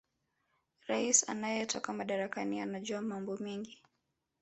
raisi anayetoka madarakani anajua mambo mengi